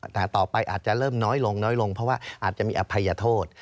แต่ต่อไปอาจจะเริ่มน้อยลงน้อยลงเพราะว่าอาจจะมีอภัยโทษ